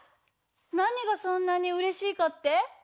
なにがそんなにうれしいかって？